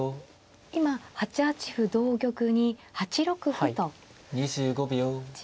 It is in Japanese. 今８八歩同玉に８六歩と打ちました。